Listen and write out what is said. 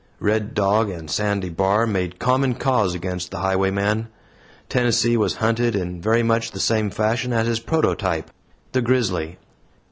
Red Dog and Sandy Bar made common cause against the highwayman. Tennessee was hunted in very much the same fashion as his prototype, the grizzly.